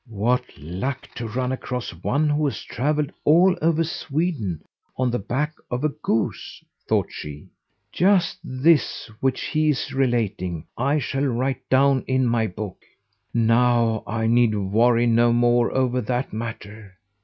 "What luck to run across one who has travelled all over Sweden on the back of a goose!" thought she. "Just this which he is relating I shall write down in my book. Now I need worry no more over that matter.